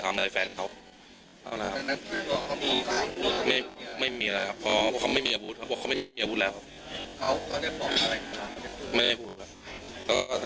ทศวินสอบว่าปืนอยู่ตรงไหน